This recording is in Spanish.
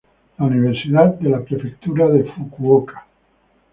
Universidad de la prefectura de Fukuoka